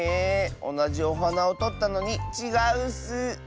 おなじおはなをとったのにちがうッス！